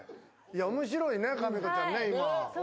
面白いね、かみこちゃんね、今。